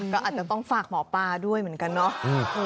ก็อาจจะต้องฝากหมอปลาด้วยเหมือนกันเนาะ